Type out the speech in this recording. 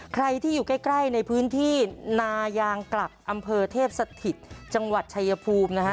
ใครที่อยู่ใกล้ในพื้นที่นายางกลักอำเภอเทพสถิตจังหวัดชายภูมินะฮะ